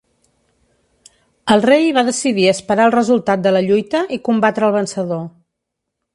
El rei va decidir esperar el resultat de la lluita i combatre al vencedor.